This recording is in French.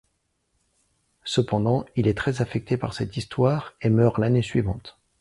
Cependant, il est très affecté par cette histoire et meurt l'année suivante.